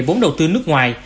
vốn đầu tư nước ngoài